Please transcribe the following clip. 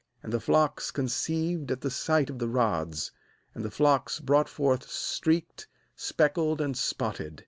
39And the flocks con ceived at the sight of the rods, and the flocks brought forth streaked, speckled, and spotted.